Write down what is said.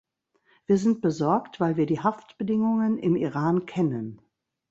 Wir sind besorgt, weil wir die Haftbedingungen im Iran kennen.